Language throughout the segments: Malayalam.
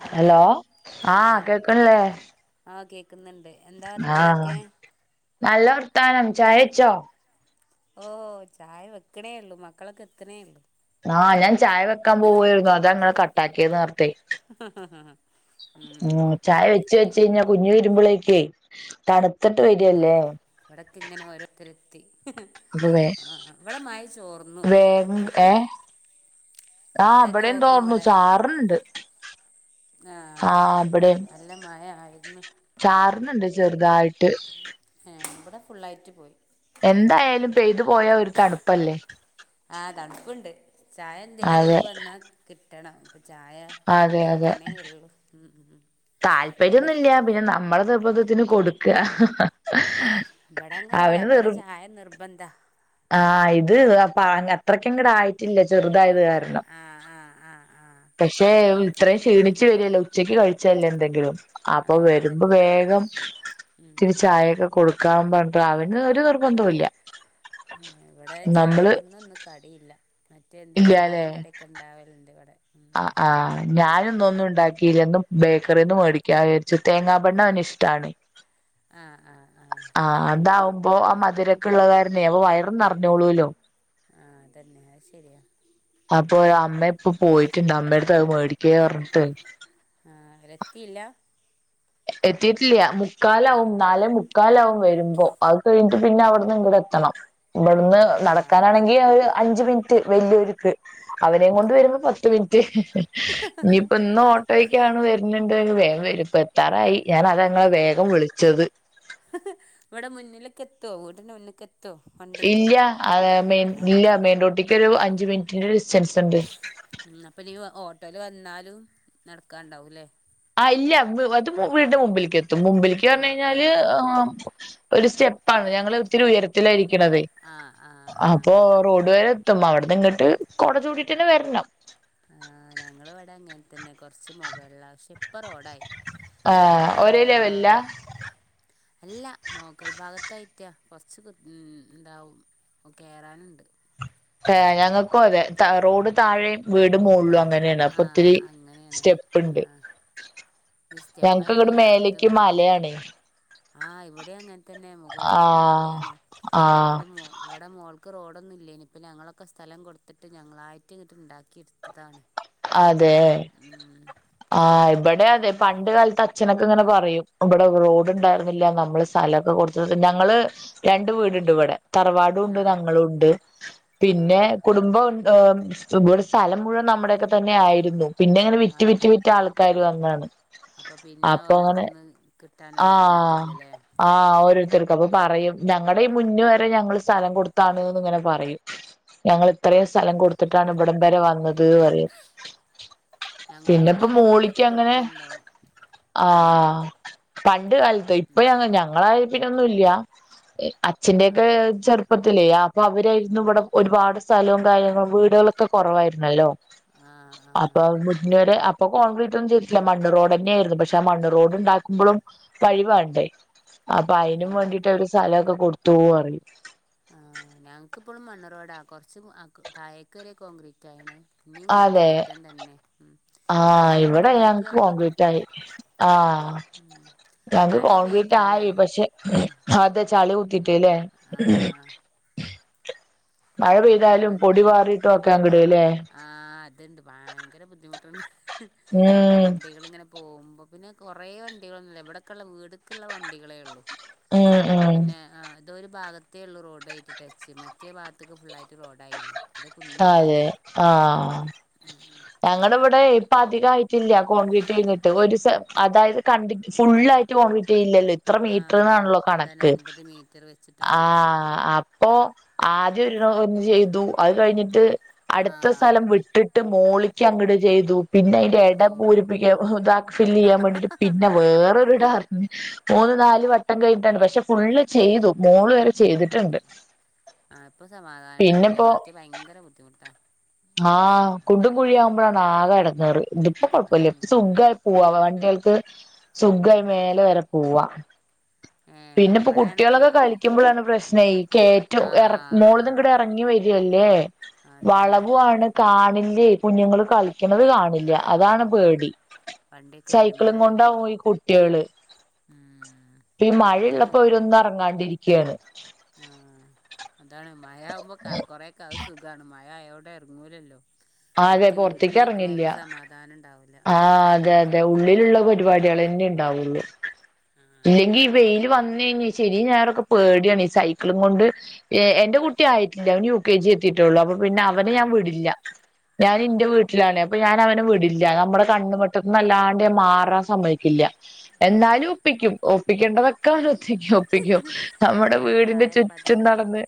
ഹലോ ആഹ് ആഹ് കേക്കുന്നുണ്ട് എന്താ ആഹ് വർത്താനൊക്കെ നല്ല വർത്താനം ചായ കുടിച്ചോ ഓഹ് ചായ വെക്ക്ണേ ഒള്ളു മക്കളൊക്കെ എത്ത്ണേ ഒള്ളു. ആഹ് ഞാൻ ചായ വെക്കാൻ പോുവായിരുന്നു അതാ അങ്ങനെ കട്ടാക്കിയത് നേർത്തേ ഉം ആഹ്ചായ ജജ്ജ് വെച്ച് കഴിഞ്ഞാ കുഞ് വെരുമ്പളെക്ക് തണുത്തിട്ട് വെരല്ലെ. ഇവിടൊക്കെങ്ങനെ ഓരോ ര്ത്തരെത്തി അപ്പൊ വേ ആഹ് ഇവിടെ മഴ ചോർന്നു വേഗം ഏഹ് ആഹ് മഴ ഇവിടേം തോർന്നു ഇവിടെ ചാറുണുണ്ട് ആഹ് നല്ല മഴ ആയിരുന്നു ചാറ്ണ് ണ്ട് ചെറുതായിട്ട്. ഏഹ് ഇവിടെ ഫുുള്ളായിട്ട് പോയി എന്തായാലും പെയ്തു പോയാ ഒരു തണുപ്പല്ലേ ആഹ് തണുപ്പുണ്ട് ചായ എന്തായാലും അതെ ഓൽക്ക് വന്നാ കിട്ടണം ഇപ്പൊ ചായ അതെ വെക്ക്ണേ ഒള്ളോ ഉം ഇന്ന് താൽപ്പര്യൊന്നുല്ല പിന്നെ നമ്മളെ നിർബന്ധത്തിന് കൊടുക്കുക ഏഹ് ഇവിടെ അങ്ങനല്ല ഇവിടെ ചായ നിർബന്ധ ആഹ് ഇത് അപ്പ അത്രക്ക് അങ്ങട് ആയിട്ടില്ല ചെറുതായത് കാരണം. ആഹ്, ആഹ്, ആഹ് ആഹ് പക്ഷെ ഇത്രയും ക്ഷീണിച്ചു വരല്ലേ ഉച്ചക്ക് കഴിച്ചല്ലേ എന്തെങ്കിലും അപ്പൊ വരുമ്പോ വേഗം ഉം കൊടുക്കാ പറഞ്ഞിട്ട് അവന് ഒരു നിർബന്ധവും ഇല്ല ഏഹ് ഇവടെ നമ്മള് ചായക്ക് ഇന്ന് ഒന്നും കടിയില്ല മറ്റേ എന്തേലും ഇല്ലാല്ലേ ചായയും കടിയും ഒക്കെ ഉണ്ടാവലിണ്ട് ഇവിടെ ഉം ആഹ് ആഹ് ഞാന് ഇന്ന് ഒന്നും ഉണ്ടാക്കിയില്ല ഇന്ന് ബേക്കറിന്ന് മേടിക്കാൻ വിചാരിച്ചു തേങ്ങാ ബണ്ണ് അവന് ഇഷ്ടാണെയ് ആഹ് ആഹ് ആഹ് അതാവുമ്പോ ആ മധുരൊക്കെ ഉള്ള കാരണേ അപ്പൊ വയറും നിറഞ്ഞോളൂല്ലോ ആഹ് അതന്നെ അത് ശരിയാ അപ്പൊ അമ്മ ഇപ്പ പോയിട്ടുണ്ട് അമ്മയടുത്ത് അത് മേടിക്ക് പറഞ്ഞിട്ട് ആഹ് എത്തീല്ല എത്തീട്ടില്ല മുക്കാലാവും ആഹ് നാലെ മു ക്കാലാവും വരുമ്പോ അത് കഴിഞ്ഞിട്ട് പിന്നെ അവിടുന്ന് ഇങ്ങട് എത്തണം ഇബടുന്ന് ആഹ് നടക്കാനാണെങ്കി ആ ഒര് അഞ്ച് മിനിറ്റ് വലിയോരുക്ക് അവനേം കൊണ്ട് വരുമ്പോ പത്ത് മിനിറ്റ് ഇനിയിപ്പ ഇന്ന് ഓട്ടോക്കാണ് വരുന്നുണ്ട വേം വരുംപ്പ ത്താറായി ഞാൻ അതാങ്ങളെ വേഗം വിളിച്ചത് ഇവടെ മുന്നിൽക്ക് എത്തുവോ വീടിന്റെ മുന്ന്ക്ക് എത്തുവോ വണ്ടിയൊക്കെ ഇല്ല അത് മെയിൻ ആഹ് ഇല്ല മെയിൻ റോട്ടിക്ക് ഒരു അഞ്ച് മിനിറ്റിന്റെ ഡിസ്റ്റൻസ് ഉണ്ട് ഉം അപ്പൊനി ഓട്ടോയിൽ വന്നാലും നടക്കാണ്ടാവുല്ലേ ആഹ് ഇല്ല അത് വീടിന്റെ മുമ്പിൽക്ക് എത്തും മുമ്പിലേക്ക് പറഞ്ഞു ആഹ് കഴിഞ്ഞാല് ആഹ് ആഹ് ആം ഒരു സ്റ്റെപ്പാണ് ഞങ്ങള് ഒത്തിരി ഉയരത്തില ഇരിക്കണതേയ് ആഹ് ആഹ് ആഹ് അപ്പോ റോഡ് വരേ എത്തും അവിടെന്ന് ഇങ്ങട്ട് കൊട ചൂടീട്ട് തന്നെ വരണം ആഹ് ഞങ്ങളെ ഇവടെ അങ്ങനെ തന്നെ കൊറച്ച് മൊകൾലാ പ്പം റോഡായി ആഹ് റോഡാ ഒരേ ആഹ് ലെവലിലാ അല്ല മൊകൾ ഭാഗത്തായിട്ട കൊറച്ച് ഉം ഇണ്ടാവും ഓ കേറാനുണ്ട് ഏഹ് ഞങ്ങൾക്കും അതെ റോഡ് താഴെയും വീട് മോൾലാ അങ്ങനെ അങ്ങനാണ് ആ അപ്പൊ ഒത്തിരി അങ്ങനെയാണ് സ്റ്റെപ്പ്ണ്ട് ആ ഇത് ഞങ്ങക്ക് ഇങ്ങട് സ്റ്റെപ്പായിട്ടല്ല മേലേക്ക് മലയാണെയ് ആഹ് ഇവിടെ അങ്ങൻ തന്നെ മുകൾ ഭാഗം ആഹ് മലയാണ് ആഹ് ന്നിട്ട് മൊ ഇവിടെ മോൾക്ക് റോഡൊന്നും ഇല്ലേയ്നിം ഇനിപ്പം ഞങ്ങളൊക്കെ സ്ഥലം കൊടുത്തിട്ട് ഞങ്ങളായിട്ട് ഇങ്ങിട്ട് ഉണ്ടാക്കി എടുത്തതാണ് അതെ ആഹ് അപ്പോൾ ഇവടെ അതെ പണ്ട് കാലത്ത് അച്ഛനൊക്കെ ഇങ്ങനെ പറയും ഇബടെ ആ റോഡ് ഉണ്ടായിരുന്നില്ല നമ്മള് സ്ഥലോക്കെ കൊടുത്ത് ഞങ്ങള് രണ്ട് വീടുണ്ട് ഇവിടെ തറവാടും ആ ഉണ്ട് ഞങ്ങളുണ്ട് ആ പിന്നെ കുടുംബം ഇബടെ സ്ഥലം മുഴുവൻ നമ്മുടെയൊക്കെ തന്നെ ആയിരുന്നു പിന്നെ ഇങ്ങനെ വിറ്റ് വിറ്റ് വിറ്റ് ആൾക്കാർ വന്നാണ് അപ്പ പിന്നെ അപ്പൊ ഓലടത്തു അങ്ങനെ നിന്ന് കിട്ടാനും ആഹ് ബുദ്ധിമുട്ടല്ലല്ലേ ആഹ് ഓരോരുത്തർക്കും അപ്പൊ പറയും ഞങ്ങടെ ഈ മുന്ന് വരെ ഞങ്ങള് സ്ഥലം കൊടുത്താണ്ന്ന് ഇങ്ങനെ പറയും ഞങ്ങള് ഇത്രയും സ്ഥലം കൊടുത്തിട്ടാണ് അതാണ് ഇവിടം വരെ വന്നത് റയും ഞങ്ങളിപ്പോ പിന്നെപ്പം ഒരു മോളിക്ക് സെന്റൊക്കെ അങ്ങനെ കൊടുത്തിണ്ടാവും ഉം ആഹ് പണ്ട് കാലത്ത് ഇപ്പ അങ്ങനാ ല്ല ഞങ്ങള് ആയപ്പെന്നുല്ല അച്ഛന്റെയൊക്കെ ആഹ് ചെർ പ്പത്തിലെ അപ്പൊ അവരായിരുന്നു ഇവിടെ ഒരുപാട് സ്ഥലവും കാര്യങ്ങളും വീടുകളൊക്കെ കൊറവായിരുന്നല്ലോ ആഹ് ആഹ് അപ്പൊ മു [unintelligible] അപ്പ് ഇപ്പൊ കോൺക്രീറ്റ് ഒന്നും ചെയ്തിട്ടല്ല മണ്ണ് റോഡ് തന്നെയായിരുന്നു പക്ഷേ മണ്ണ്റോഡ് ഉണ്ടാക്കമ്പളും വഴി വേണ്ടേ അപ്പൊ അയ്നും അതന്നെ വേണ്ടിട്ട് അവര് സ്ഥലൊക്കെ കൊടുത്തൂ പറിയും ആഹ ഞങ്ങക്ക്പ്പോളും മണ്ണ് റോഡാ കൊറച്ച് താഴക് വരെ കോൺക്രീറ്റയിന് ഇനിയും ഇങ്ങട്ട് അതെ കേയറ്റം തന്നെ ഉം ആഹ് എന്നാലും ഇവടെ മുന്ന്ക്ക് ഞങ്ങക്ക് വണ്ടിയൊക്കെ എത്തും കോൺഗ്രീറ്റായി ആഹ് ഉം ഞങ്ങക്ക് മഴ കോൺക്രീറ്റ് ആയി പെയ്താലാണ് പക്ഷെ അതെ ചളി കുത്തിട്ട്ല്ലേ ആഹ് മഴ അപ്പൊ പിന്നെ പെയ്താലും വണ്ടിയൊന്നും പൊടിപാറിട്ടും ഒക്കെ ങ്ങട് ല്ലേ? ആഹ് അത്ണ്ട് ഭയങ്കര ബുദ്ധിമുട്ടുണ്ട്. ഉം വണ്ടികൾ ഇങ്ങനെ പോകുമ്പോക്ന് പിന്നെ കൊറെ വണ്ടികളൊന്നുല്ല എവിടൊക്കെള്ള വീടക്ള്ള വണ്ടികളെ ഒള്ളു. ഉം ഉം പിന്നെ ആഹ ഇതൊ ഒരു ഭാഗത്തേ ഉള്ളൂ റോഡ് ആയിട്ട് ടച്ച് മറ്റേ ഭാഗത്തേക്ക് ഫുള്ളൾായിട്ട് റോഡായില്ല. അത് അതെ ആഹ്. ഉം ഉം. ഞങ്ങട ഇവിടെ ഇപ്പ അധിക ആയിട്ടില്ല കോൺക്രീറ്റ് കഴിഞ്ഞിട്ട് ഒരു സെ അതായത് കണ്ടിട്ട് ഫുള്ള ഇല്ലല്ലോ ഇത്ര ആ മീറ്റർന്നാണല്ലോ അതന്നെ കണക്ക് അൻപത് മീറ്റർ വെച്ചിട്ടാണല്ലോ വരിക ആഹ് അപ്പോ ആദ്യം ഒരു ഒന്ന് ചെയ്തു അത് കഴിഞ്ഞിട്ട് ആ അടുത്ത സ്ഥലം വിട്ട് ട്ട് മോളിക്ക് അങ്ങട്ട് ചെയ്തു പിന്നെ എട ഓ പൂരിപ്പിക്കാൻ ഫില്ല് ചെയ്യാൻ വേണ്ടിട്ട് പിന്നെ വേറൊരു ഡ മൂന്ന് നാല് വട്ടം കഴിഞ്ഞിട്ടാണ് പക്ഷെ ഫുള്ള് ചെയ്തു. മോള് ല് ആഹ് ഇപ്പൊ സമാധാനം ഇണ്ടാവൂലേ പിന്നെപ്പോ മറ്റേ ഭയങ്കര ബുദ്ധിമുട്ടാ. ആഹ് കുണ്ടും കുഴിയാകുമ്പോഴാണ് ആകെ എടങ്ങറ് ഇതിപ്പൊ കുഴപ്പോല്ല ഇപ്പ അതന്നെ സുഖ പോവാ വണ്ടികൾക്ക് ആ സുഖായി മേലെ വരെ പോവാ ഏ പിന്നെ ഇപ്പൊ ഇവിടെ ആണെങ്കിൽ കുട്ടികളൊക്കെ കളിക്കുമ്പോഴാണ് പ്രശ്നെയ് ഈ കേറ്റ ആ എറക്കം മോളന്ന് ങ്ങട് ഇറ ങ്ങി വരല്ലേ? ആതന്നെ. ഇപ്പവിടെ കാണില്ലേ കുഞ്ഞുങ്ങള് കളിക്കണന്ത് കാണി. ല്ല ആ അതാണ് പേടി, വണ്ടിയൊക്കെ വരുമ്പോൾ സൈക്കിളും അല്ലേ കൊണ്ടാവും ഈ കുട്ട്യേള് ഉം, ഈ അത് മഴള്ളപ്പോ ഒരൊന്നും ഇറങ്ങാണ്ടി ഇരിക്കാണ്. ആഹ് അതാണ് മഴ ആവുമ്പോ കൊറെകെ അത് സുഖാണ് മഴ അയോടെ എറങ്ങൂലല്ലോ? ആഹ് അതെ മറ്റേ വീട്ടിൽ പൊറത്തേക്ക് എറങ്ങില്ല ഇരിക്ക്ണോർക്ക് സമാധാനം ഉണ്ടാവൂല ആഹ് അതെ അതെ ഉള്ളിലുള്ള പരിപാടികൾ തന്നെ ഉണ്ടാവുള്ളു. ആഹ് ഇല്ലെങ്കി വെയില് വന്ന് കഴിഞ്ഞ ശനിം ഞായറോക്കെ പേടിയാണ് ഈ സൈക്കിളും കൊണ്ട്, എ എന്റെ കുട്ടി ആയിട്ടില്ല യു കെ ജി എത്തിട്ടോള്ളൂ അപ്പൊ പിന്നെ അവനെ ഞാൻ ആഹ് വിടില്ല. ഞാൻ ആഹ് ഇന്റെ വീട് ലാണെ അപ്പൊ ഞാൻ അവനെ വിടില്ല നമ്മടെ കണ്ണ്വട്ടത്തന്ന അല്ലാണ്ട് മാറാൻ സമ്മതിക്കില്ല. എന്നാലും ആഹ് ഒപ്പിക്കും ഒപ്പിക്കണ്ടേത് ക്കണ്ട് ഒത്തേക്ക് ഒപ്പിക്കും നമ്മടെ ഓരെ വീടിന്റെ പ്രായപ്പ ചുറ്റും അതല്ലേ നടന്ന്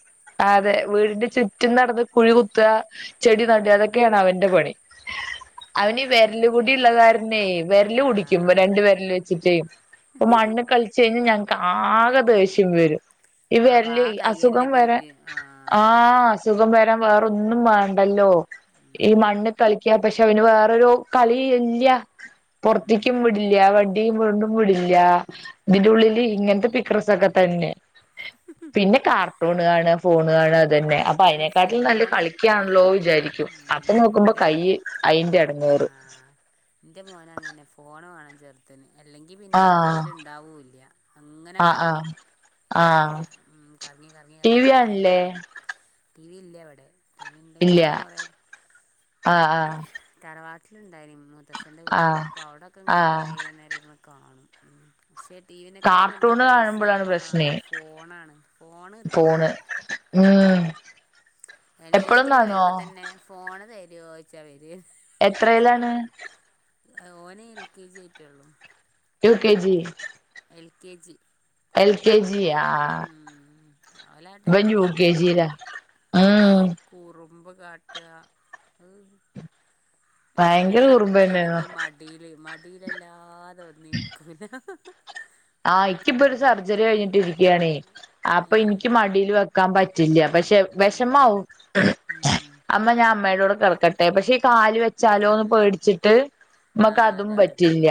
അതെ ഉം വീടിന്റെ ചുറ്റും നടന്ന് കുഴി കുത്താ ചെടി നട ആഹ് അതൊക്കെയാണ് അവന്റെ പണി ശരി അവന് നല്ല ടിള്ള കുട്ടിയാണല്ലോ കാരണെ വിരല് കുടിക്കും ആഹ് രണ്ട് വരൽ വെച്ചിട്ടേ മണ് കളിച്ച് കഴിഞ്ഞാ ഞങ്ങക്ക് ആകെ ദേഷ്യം വരും അപ്പൊ ഇവിരൽ ആ കയ്യന്നെ അസുഖം വരെ പോയിട്ട് ആഹ് അസുഖം വരാൻ വേറൊന്നും മാണ്ടല്ലോ ഈ ഉം മണ്ണ് കളിക്ക, പക്ഷെ അവന് വേറൊരു കളി ഇല്ല ഉം പൊറത്തക്കും വിടില്ല വണ്ടിയും വണ്ടും വിടില്ല ഉം ഇതിന്റെുള്ളില് ഇങ്ങനത്തെ പിക്രസൊക്കെ തന്നെ പിന്നെ കാ ട്ടൂണ് കാണ ഫോണ് കാണ ഇതന്നെ അപ്പൊ അതാണ് അയിനെക്കാട്ടിലും നല്ല ഫോണ് കളിക്കാണല്ലോ വിചാരിക്കും. അപ്പൊ ഉം നോക്കുമ്പോ കൈ ഇബടീം അയിന്റെ എടങ്ങേറ് ആഹ് ഇന്റെ മോനങ്ങനന്നെ ഫോണ് വേണം ചെർ മതന്നെ അല്ലെങ്കിൽ പിന്നെ ആഹ് വീട്ടിലുണ്ടാവുല്ല അങ്ങനെ അങ്ങട്ട് ആഹ് പോകും. ആഹ് ആഹ് കറങ്ങി കറങ്ങി ടി കറങ്ങി വി വൈന്നേരൊക്കെ കാണില്ലേ കാണും ടിവി ഇല്ല ഇവടെ ടി വി ഇണ്ടെങ്കിൽ ഇല്ല പിന്നെ കുറേ ആഹ് ആഹ് തറവാട്ടിലുണ്ടായിനിം മുത്തച്ഛ്ന്റെ വീട്ടില് ആഹ് അപ്പൊ അവിടൊക്കെ ഇങ്ങനെ കുറെ ആഹ് നേരം ഇരിന്ന് കാണും പക്ഷേ ടി വിനേക്കാളും ഓല്ക്ക് കാർട്ടൂണ് ക്രേയ്സ് കാണുമ്പോഴാണ് പ്രശ്നേ ആഹ് ഫോണാണ് ഫോണ് കിട്ടണം ആഹ് എനീറ്റ്ങ്ങട്ട് വരുമ്പോ തന്നെ ഫോണ് തരോ? ച്ച വര് എത്രയിലാണ് ഓന് എൽ കെ ജി ആയിട്ടള്ളൂ U K G L K G L K ജിയാ ഉം ഓല ടൈം ഇപ്പതലേ ജിയിലാ ഉം കുറുമ്പ് കാട്ട ഉം ഭയങ്കര എവിടെ കുറുമ്പന്നെയാ ഇരിക്കയാണെങ്കിൽ മടിയില് മടിൽല്ലാതെ വന്ന് ഇരിക്കും ല്ല ആഹ എൻക്ക്പ്പൊ ഒരു സർജറി കഴിഞ്ഞിട്ടി ഇരികാണേ അപ്പൊ ഏ ഇനിക്ക് മടിൽ വെക്കാൻ പ റ്റില്ല പക്ഷെ ഉം വെഷമാവും ഉം അമ്മ ഞാൻ അമ്മടെ കുടെ കേടക്കട്ടെ പക്ഷെ ഇകല് വച്ചാലോന്ന് ഉം പേടിച്ചിട്ട് ആ നമ്മക്ക് അതും അതാണ് പറ്റില്ല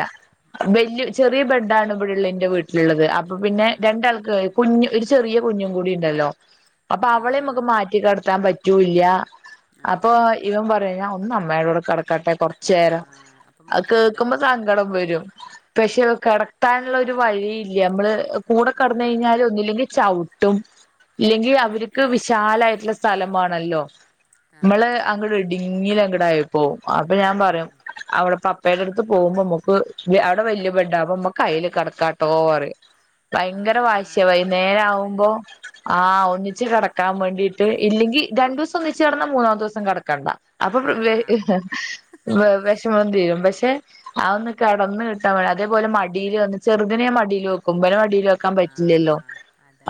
ഉം വല്യ ഉം ചെറിയ ബെഡണ് ഇപ്പള്ള ഇന്റെ വീട്ടിലുള്ളത് അപ്പൊ ആ പിന്നെ രണ്ടാൾക് കുഞ്ഞു ഒരു ചെറിയ കുഞ്ഞും കൂടി ഇണ്ടല്ലോ അപ്പൊ ആ അവളെ നമുക്ക് മാറ്റി കെടത്താ പറ്റൂല്ല അപ്പൊ അതന്നെ ഇവൻ പറയും ഞാൻ ഒന്ന് അമ്മടോ കുടെ കടക്കാട്ടെ കൊറച്ച ആ നേരം അപ്പം നമുക്ക് അത് സങ്കടം കേക്കുമ്പോ വരൂല്ലേ സങ്കടം വരും പക്ഷെ കെടത്തനുള്ള ഒരു വഴി ഇല്ല നമ്മള് കൂടെ ആ കെടന്നഴിഞ്ഞാൽ ഒന്നുല്ലെങ്കിൽ ചവു ട്ടും ഇല്ലെങ്കിൽ അവരിക്ക് വിശാലായിട്ടുള്ള സ്ഥലംമാണല്ലോ ആ നമ്മള് അതന്നെ അങ്ങോട്ട ഡിങ്ങിലങ്കടായിപ്പോ അപ്പൊ ഞാൻ പറയും ഉം അവിടെപ്പപ്പയുടെ അടുത്ത് പോകുമ്പോ നമ്മക്ക് അവിടെ വല്യ ബെടാ നമ്മക്കയ്യിൽ കട കട്ടോ പറിം ആ ഭയങ്കര വാശി വൈനേര ആവുമ്പോ പാവല്ലേ ഉം ആഹ ഒന്നിച്ച് കെട ക്കാൻ വേണ്ടീട്ട് ഇല്ലെങ്കി രണ്ടസം ഒന്നിച്ച് കെടന്നാ മൂന്നാമ ദിവസം കെടക്കണ്ട അപ്പൊ വെ ആഹ് വെ വെഷമ തീരും പക്ഷെ ആ ഒന്ന് കെടന്ന് കിട്ടൻ അതേപോലെ മടിൽ വന്ന് ചെറുതിനെ മടിയിൽ വോകും ഇബനെ മടിൽ വെക്കാൻ പറ്റില്ലല്ലോ ആഹ്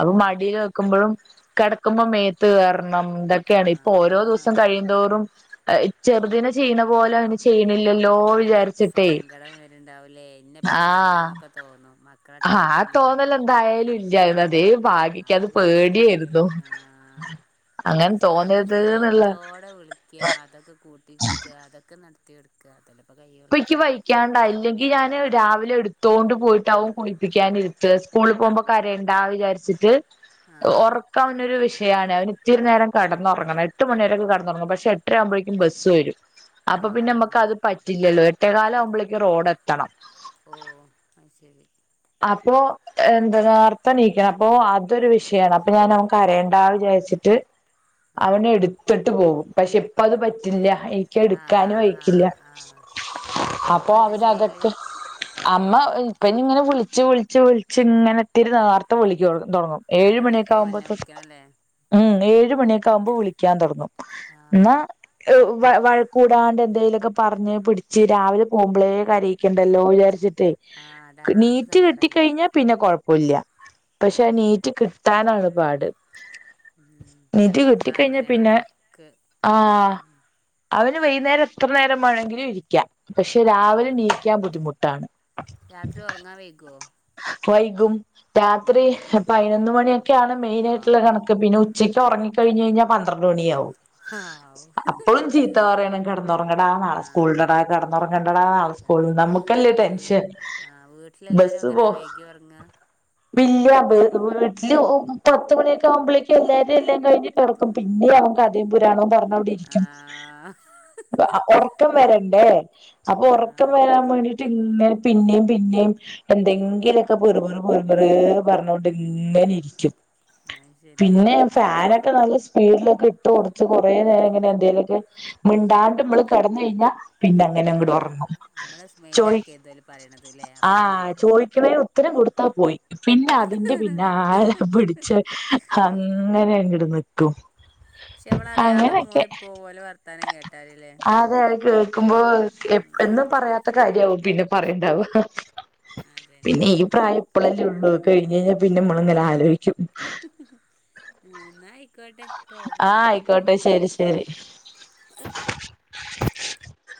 അപ്പൊ മടില് ക്കുമ്പോഴും കെടക്കുമ്പോ മേത്ത് കയറണം ഇതൊക്കെയാണ് ഇപ്പൊ ഓരോ ആഹ് ദിവസം കഴിയന്തോറും ചെറുദിനെ ചെയ്യുന്ന പോലെ അ അവന് ചെയ്യണില്ലല്ലോ വിചാരിച്ചിട്ടേ സങ്കടം വരുണ്ടാവൂലേ ഇന്ന ഇപ്പ വേണ്ടാന്നൊക്കെ തോന്നും മക്കളെ ടൈം ആഹ ഇപ്പ തോന്നൽ എന്തായാലും ഇല്ലായിന്ന അതെ അത് വല്യ കിട്ടല് ആഹ പിന്നെ അങ്ങനെ സ്നേ നമ്മള് തോന്നരുത് എന്നുള്ള സ്നേഹത്തോടെ വിളി ക്ക്യാ അതൊക്കെ കൂട്ടി നിക്കാ അതൊക്കെ നടത്തി കൊടുക്ക അതല്ലെ ഇപ്പം കഴിയുള്ളൂ ക്ക്യാണ്ട ഇല്ലെങ്കി ഞാന് രാവിലെ ഇടുത്തോണ്ട് പോയിട്ടാവും കുളിപ്പിക്കാന് ഇരുത്ത്ക സ്കൂൾ പോകുമ്പോ കരയേണ്ടാ എന്ന് വിചാരിച്ചിട്ട് ആഹ് ഒറ ക്ക് അവന് ഒരു വിഷയാണ് അവന് ഇത്തിരി നേരം കെടന്ന് ഉറങ്ങണം എട്ട് മണിവരെ ഒ ക്കെ കെടന്ന് ഉറങ്ങും പക്ഷെ എട്ടര ആകുമ്പോഴേക്കും ബസ് വരും അപ്പൊ പിന്നെ ആഹ് നമ്മക്ക് അത് പറ്റില്ലല്ലോ എട്ടേ കാല് ആകുമ്പോഴേക്കും റോഡ് എത്തണം ഓഹ് അത് ശരി അപ്പൊ എന്താ നേരത്തെ എണീക്കണം അപ്പൊ അതൊരു വിഷയാണ് അപ്പൊ ഞാന് അവൻ കരയേണ്ടാ വിചാരിച്ചിട്ട് [inaudible] അവനെ എടുത്തിട്ട് പോകും പക്ഷെ ഇപ്പ അത് പറ്റില്ല എ നിക്ക് എടുക്കാനും ആഹ് വഴിക്കില്ല ആഹ് ആഹ് അപ്പ ഇപ്പ അപ്പൊ എന്താ അവര് ചെയ്യല് അതൊക്കെ അമ്മ ഇപ്പ ഇനി ഇങ്ങനെ വിളിച്ച് വിളിച്ച് വിളിച്ച് ഇങ്ങനെ ഇത്തിരി നേരത്തെ വിളിക്കാൻ തൊടങ്ങും ഏഴ് മണി ഒക്കെ ഒരരമണിക്കൂർ മുന്നേ ആവുമ്പോത്ത് വിളിക്കണല്ലേ ഉം ഏഴ് മണി ഒക്കെ ആവുമ്പോ വിളിക്കാൻ തൊടങ്ങും എന്നാ ആഹ് എഹ് വ വഴക്ക് കൂടാണ്ട് എന്തേലൊക്കെ പറഞ്ഞ് പിടിച്ച് രാവിലെ പോവുമ്പളേ കരയും ക്കിണ്ടല്ലോ വിചാരിച്ചിട്ടെ ആഹ് അതാണ് നമ്മക്ക് സങ്കടല്ലേ ഞ്ഞാ പിന്നെ കൊഴപ്പം ഇല്ല പക്ഷെ ഉം എണീറ്റ് കിട്ടാനാണ് പാട് ഉം ചെല എണീറ്റ് കിട്ടി മക്കള് കഴിഞ്ഞാ അങ്ങനെയാണ് പിന്നെ ഒറക്ക് ആഹ് അവന് വൈകുന്നേരം എത്ര നേരം വേണങ്കിലും ഇരിക്കാം പക്ഷെ രാവിലെ ആഹ് എണീക്കാൻ ബുദ്ധിമുട്ടാണ് രാത്രി ഉറങ്ങാൻ വൈകോ വൈകും രാത്രി ഉം പതിനൊന്ന് മണി ഒക്കെയാണ് മെയിനായിട്ടുള്ള ഹാവൂ കണക്ക് പിന്നെ ഉ ഉച്ചക്ക് ഉറങ്ങിക്കഴിഞ്ഞ് കഴിഞ്ഞ പന്ത്രണ്ട് മണി ആവും ഹാവൂ അപ്പളും ചീത്ത പറയണം കിടന്നുറങ്ങെടാ നാളെ സ്കൂള് ഉണ്ടെടാ ആഹ് കിടന്നുറങ്ങേണ്ടടാ നാളെ സ് അതാണ് എപ്പോഴും നമ്മുക്കല്ലേ ടെൻഷൻ ബസ്സ് ഇങ്ങനെ വൈകി ഉറങ്ങ [unintelligible] വീട്ടില് വീട്ടില് പത്തുമണി ഒക്കെ ആവുമ്പളേക്കും എല്ലാവരും എല്ലാം കഴിഞ്ഞു കെടക്കും പിന്നേം ഇറ കഥയും പുരാണവും പറഞ്ഞോണ്ടിരിക്കും ആഹ് ഉറക്കം വരണ്ടേ അപ്പൊ ഉറക്കം ആഹ് വരാൻ വേണ്ടീട്ട് ഇങ്ങനെ പിന്നെയും പിന്നെയും എന്തെങ്കിലും ഒക്കെ പിർ പിർ പിർ പിറ് എന്ന് പറഞ്ഞോണ്ട് ഉം ഇങ്ങനെ ഇരിക്കും അത് ശരി പിന്നെ ഫാന് ഒക്കെ നല്ല സ്പീഡിലൊക്കെ ഇട്ട് കൊടുത്ത് കൊറേ നേരം ഇങ്ങനെ എന്തേലൊക്കെ മിണ്ടാണ്ട് നമ്മള് കെടന്ന് കഴിഞ്ഞാ പിന്നെ അങ്ങനെ അങ്ങട്ട് ആഹ് ഉറങ്ങും നമ്മള് ചോദി മൈൻഡാക്കരുത് ഓല് പറയണത് ല്ലേ അപ്പൊ ആഹ് ഒറങ്ങിക്കോളും ചോദിക്കുന്നതിന് ഉത്തരം കൊടുത്താ പോയി പിന്നെ അതിന്റെ പിന്നാലെ പിടിച്ച് അങ്ങനെ അങ്ങട് നിക്കും പക്ഷെ അവള് അറിയാതെ അങ്ങനെയൊക്കെ മൂളിപ്പോകും ഓലെ വർത്താനം കേട്ടാല് ലേ എഹ് എന്നും പറയാത്ത കാര്യം ആവും പിന്നെ പറയാൻ ഉണ്ടാവ അതന്നെ പിന്നെ ഈ ഉം പ്രായം ഇപ്പളല്ലേ ഉള്ളൂ അത് കഴിഞ്ഞ് കഴിഞ്ഞാൽ പിന്നെ നമ്മള് ഇങ്ങനെ ആലോചിക്കും ഉം എന്നാ ആയിക്കോട്ടെ ട്ടോ പിന്നെ ആഹ് വിളിക്ക ആയിക്കോട്ടെ ശരി ശരി